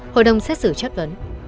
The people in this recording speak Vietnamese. hội đồng xét xử chất vấn